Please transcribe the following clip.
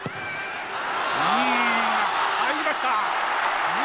入りました！